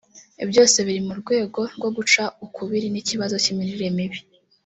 byose biri mu rwego rwo guca ukubiri n’ikibazo cy’imirire mibi